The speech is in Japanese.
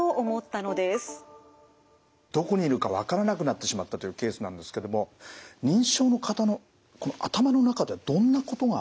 どこにいるかわからなくなってしまったというケースなんですけども認知症の方の頭の中ではどんなことが起きてるんですかね